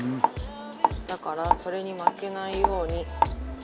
だから、それに負けないように。